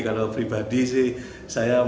kalau pribadi sih saya